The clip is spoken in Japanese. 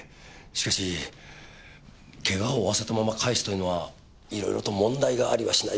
しかしケガを負わせたまま帰すというのはいろいろと問題がありはしないかと。